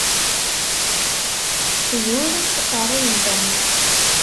Zur uqerruy n Tom.